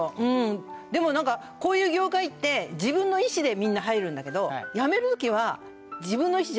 でもなんかこういう業界って自分の意思でみんな入るんだけど。